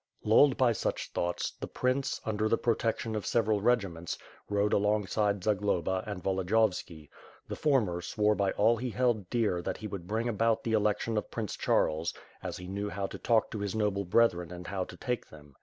Lulled by such thoughts, the prince, under the protection of several regiments, rode alongside Zagloba and Volodiyov ski; the former swore by all he held dear that he would bring about the election of Prince Charles, as he knew how to talk to his noble brethren and how to take them.